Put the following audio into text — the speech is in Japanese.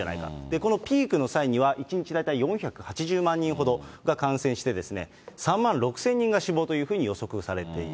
このピークの際には、１日大体４８０万人ほどが感染して、３万６０００人が死亡というふうに予測をされている。